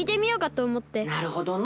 なるほどの。